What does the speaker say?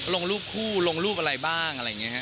ลงรูปคู่ลงรูปอะไรบ้างอะไรอย่างนี้ฮะ